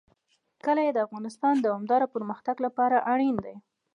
کلي د افغانستان د دوامداره پرمختګ لپاره اړین دي.